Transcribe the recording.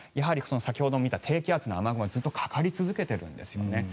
先ほども見た低気圧の雨雲がずっとかかり続けているんですよね。